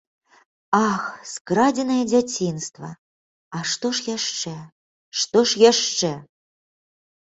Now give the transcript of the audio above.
Ах, скрадзенае дзяцінства, а што ж яшчэ, што ж яшчэ!